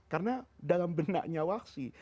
karena dalam benaknya wahsyi